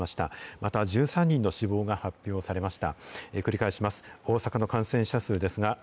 また、１３人の死亡が発表されました。